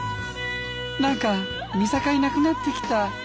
何か見境なくなってきた。